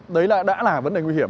đấy đã là vấn đề nguy hiểm